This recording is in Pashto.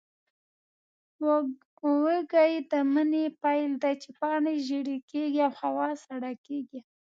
وږی د مني پیل دی، چې پاڼې ژېړې کېږي او هوا سړه کېږي.